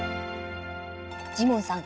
ジモンさん